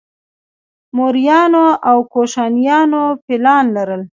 موریانو او کوشانیانو فیلان لرل